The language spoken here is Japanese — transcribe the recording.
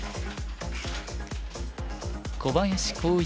小林光一